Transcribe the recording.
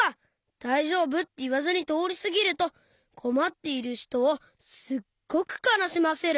「だいじょうぶ？」っていわずにとおりすぎるとこまっているひとをすっごくかなしませる。